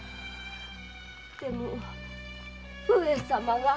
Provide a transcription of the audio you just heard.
でも上様が。